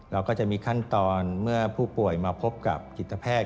เราก็จะมีขั้นตอนเมื่อผู้ป่วยมาพบกับจิตแพทย์